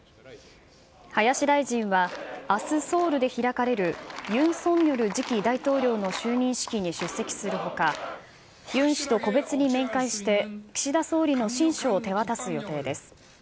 林大臣は、あすソウルで開かれる、ユン・ソンニョル次期大統領の就任式に出席するほか、ユン氏と個別に面会して、岸田総理の親書を手渡す予定です。